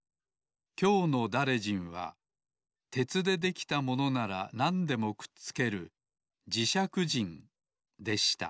きょうのだれじんはてつでできたものならなんでもくっつけるじしゃくじんでした